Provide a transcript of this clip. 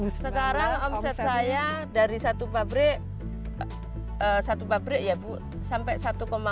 sekarang omset saya dari satu pabrik satu pabrik ya bu sampai satu empat m satu bulan